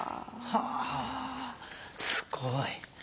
はあすごい。